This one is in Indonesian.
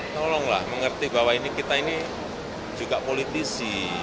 tolonglah mengerti bahwa ini kita ini juga politisi